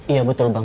iya betul bang